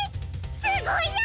すごいや！